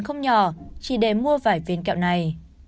không nhỏ chỉ để mua vài viên kẹo này